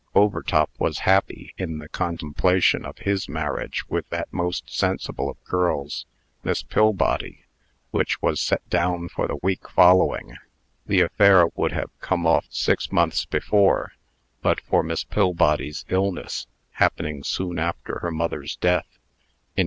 Overtop was happy in the contemplation of his marriage with that most sensible of girls, Miss Pillbody, which was set down for the week following. The affair would have come off six months before, but for Miss Pillbody's illness, happening soon after her mother's death.